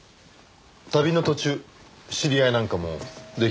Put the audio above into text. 旅の途中知り合いなんかも出来るでしょう？